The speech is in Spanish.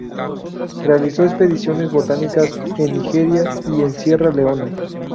Realizó expediciones botánicas en Nigeria, y en Sierra Leona.